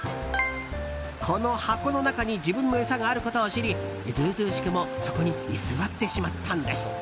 この箱の中に自分の餌があることを知り図々しくもそこに居座ってしまったんです。